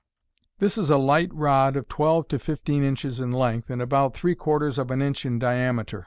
This is a light rod of twelve to fifteen inches in length, and about three quarters of an inch in diameter.